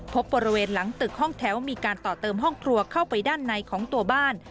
บริเวณหลังตึกห้องแถวมีการต่อเติมห้องครัวเข้าไปด้านในของตัวบ้าน